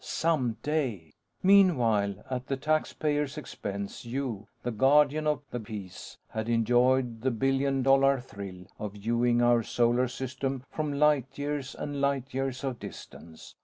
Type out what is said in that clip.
Some day. Meanwhile, at the taxpayers' expense, you the guardian of the Peace had enjoyed the billion dollar thrill of viewing our Solar System from light years and light years of distance.